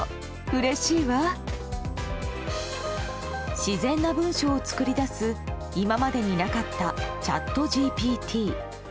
自然な文章を作り出す今までになかったチャットＧＰＴ。